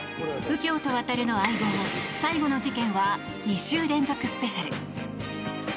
右京と亘の「相棒」最後の事件は２週連続スペシャル！